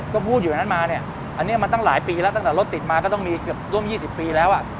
ก็พูดอยู่อย่างนั้นมาเนี่ยอันนี้มันตั้งหลายปีแล้วตั้งแต่รถติดมาก็ต้องมีเกือบร่วม๒๐ปีแล้ว